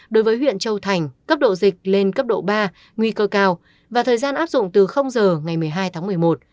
đối với huyện châu thành cấp độ dịch lên cấp độ ba nguy cơ cao và thời gian áp dụng từ giờ ngày một mươi hai tháng một mươi một